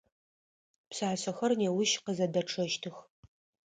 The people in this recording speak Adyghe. Пшъашъэхэр неущ къызэдэчъэщтых.